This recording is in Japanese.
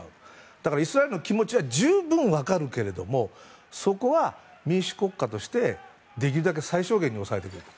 だからイスラエルの気持ちは十分、分かるけれども民主国家としてできるだけ最小限に抑えていただきたい。